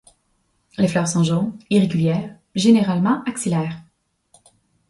Les fleurs sont jaunes, irrégulières, généralement axillaires.